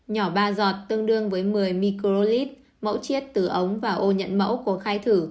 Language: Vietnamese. nhỏ ba giọt tương đương với một mươi microlit mẫu chiết từ ống và ô nhận mẫu của khai thử